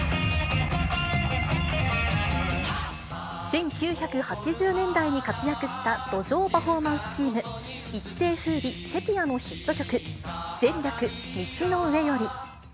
１９８０年代に活躍した路上パフォーマンスチーム、一世風靡セピアのヒット曲、前略、道の上より。